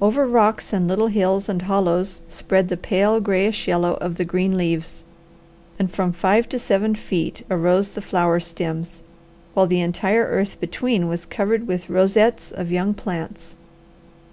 Over rocks and little hills and hollows spread the pale, grayish yellow of the green leaves, and from five to seven feet arose the flower stems, while the entire earth between was covered with rosettes of young plants.